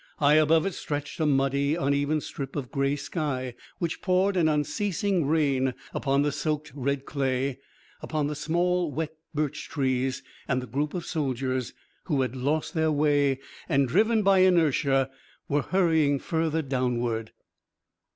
High above it stretched a muddy, uneven strip of grey sky, which poured an unceasing rain upon the soaked red clay, upon the small wet birch trees, and the group of soldiers, who had lost their way and driven by inertia were hurrying further downward.